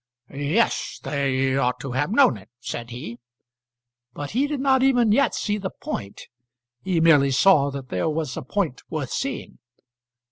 "Yes; they ought to have known it," said he. But he did not even yet see the point. He merely saw that there was a point worth seeing.